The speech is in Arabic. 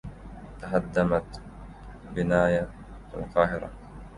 تهدّمت بناية في القاهرة.